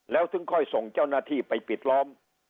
แล้วถึงค่อยส่งเจ้าหน้าที่ไปปิดล้อม